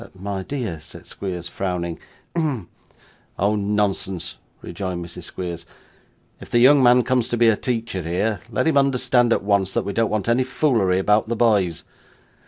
'My dear,' said Squeers frowning. 'Hem!' 'Oh! nonsense,' rejoined Mrs. Squeers. 'If the young man comes to be a teacher here, let him understand, at once, that we don't want any foolery about the boys.